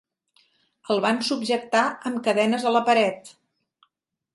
El van subjectar amb cadenes a la paret.